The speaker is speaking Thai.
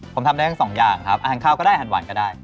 ผมทำได้ทั้งสองอย่างครับอาหารข้าวก็ได้อาหารหวานก็ได้